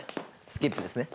スキップですね。